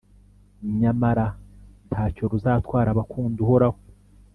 Nyamara nta cyo ruzatwara abakunda Uhoraho,